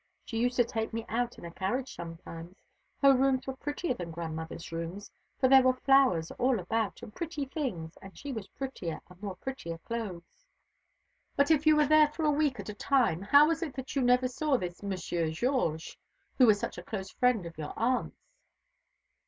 She used to take me out in a carriage sometimes. Her rooms were prettier than grandmother's rooms, for there were flowers all about, and pretty things, and she was prettier, and wore prettier clothes." "But if you were there for a week at a time, how was it that you never saw this Monsieur Georges, who was such a close friend of your aunt's?"